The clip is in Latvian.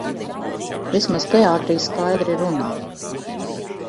Vismaz teātrī skaidri runā.